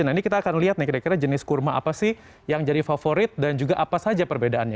nah ini kita akan lihat nih kira kira jenis kurma apa sih yang jadi favorit dan juga apa saja perbedaannya